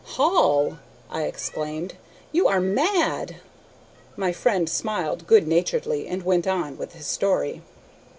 "Hall!" I exclaimed, "you are mad!" My friend smiled good naturedly, and went on with his story.